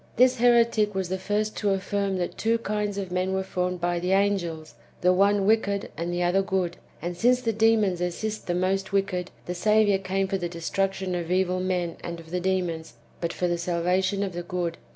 This heretic was the first to affirm that two kinds of men were formed by the angels, — the one wicked, and the other good. And since the demons assist the most wicked, the Saviour came for the destruction of evil men and of the demons, but for the salvation of the good.